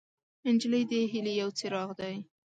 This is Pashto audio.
نجلۍ د هیلې یو څراغ دی.